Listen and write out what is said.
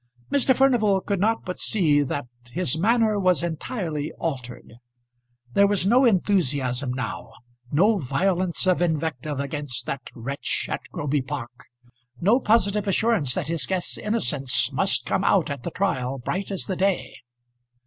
Mr. Furnival could not but see that his manner was entirely altered. There was no enthusiasm now, no violence of invective against that wretch at Groby Park, no positive assurance that his guest's innocence must come out at the trial bright as the day!